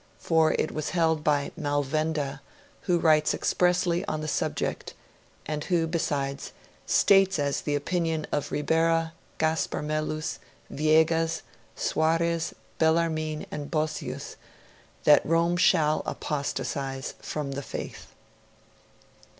For it was held by 'Malvenda, who writes expressly on the subject', and who, besides, 'states as the opinion of Ribera, Gaspar Melus, Viegas, Suarez, Bellarmine, and Bosius that Rome shall apostatise from the faith'.